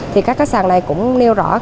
thì các sàn này cũng nêu rõ